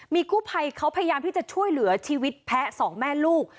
มีกู้ภัยเขาพยายามที่จะช่วยเหลือชีวิตแพ้สองแม่ลูก